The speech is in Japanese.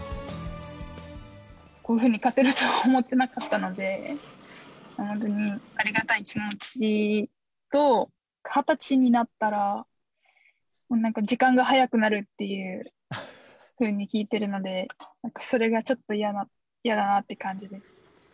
こういうふうに勝てるとは思っていなかったので、本当にありがたい気持ちと、２０歳になったらなんか時間が早くなるっていうふうに聞いているので、なんかそれがちょっと嫌だなって感じです。